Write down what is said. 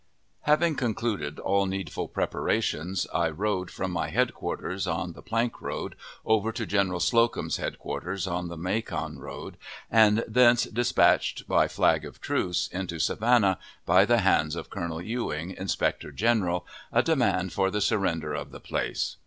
Having concluded all needful preparations, I rode from my headquarters, on the plank road, over to General Slocum's headquarters, on the Macon road, and thence dispatched (by flag of truce) into Savannah, by the hands of Colonel Ewing, inspector general, a demand for the surrender of the place.